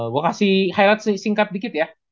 mau kasih highlight singkat dikit ya